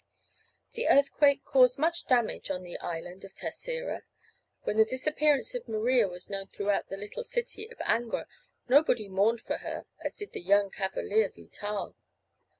The earthquake caused much damage in the island of Terceira. When the disappearance of Maria was known throughout the little city; of Angra nobody mourned for her as did the young cavalier Vital.